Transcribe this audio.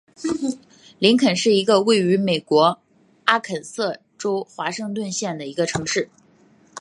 林肯是一个位于美国阿肯色州华盛顿县的城市。